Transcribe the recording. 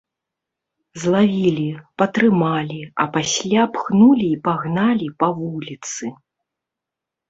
Злавілі, патрымалі, а пасля пхнулі і пагналі па вуліцы.